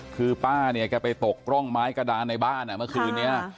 คือป้าเนี่ยแกไปตกร่องไม้กระดานในบ้านเมื่อคืนนี้